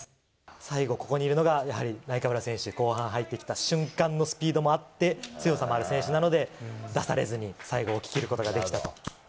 最後、ここにいるのが、やはり、ナイカブラ選手、後半入ってきた、瞬間のスピードもあって、強さもある選手なので、出されずに最後、おききることができたと。